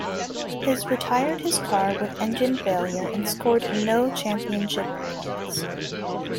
His retired his car with engine failure and scored no championship points.